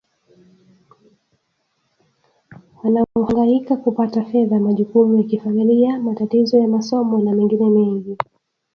wanaohangaika kupata fedha majukumu ya kifamilia matatizo ya masomo na mengine mengi